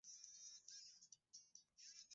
kuhusu marufuku kwa chama huko Marondera